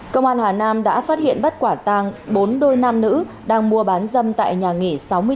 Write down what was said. công an hà nam đã phát hiện bắt quả tàng bốn đôi nam nữ đang mua bán dâm tại nhà nghỉ sáu mươi một